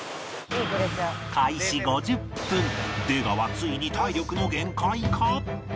ついに体力の限界か？